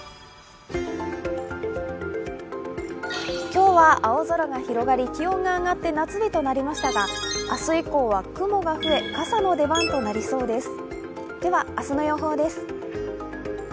今日は青空が広がり、気温が上がって夏日となりましたが明日以降は雲が増え、傘の出番となりそうです。